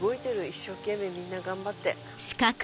一生懸命みんな頑張って。